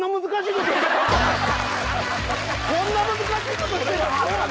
こんな難しいことしてたん？